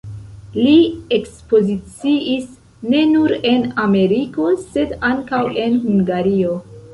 Li ekspoziciis ne nur en Ameriko, sed ankaŭ en Hungario.